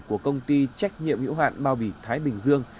của công ty trách nhiệm hữu hạn bao bỉ thái bình dương